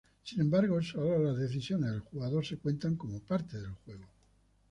Sin embargo, solo las decisiones del jugador se cuentan como parte del juego.